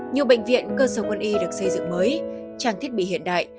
nhiều bệnh viện cơ sở quân y được xây dựng mới trang thiết bị hiện đại